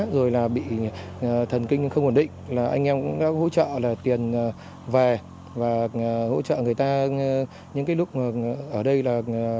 rồi là bị thần kinh không ổn định là anh em cũng đã hỗ trợ là tiền về và hỗ trợ người ta những cái lúc ở đây là